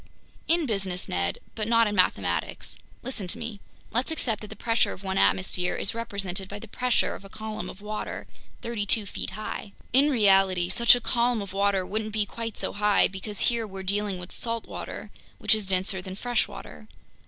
"In business, Ned, but not in mathematics. Listen to me. Let's accept that the pressure of one atmosphere is represented by the pressure of a column of water thirty two feet high. In reality, such a column of water wouldn't be quite so high because here we're dealing with salt water, which is denser than fresh water.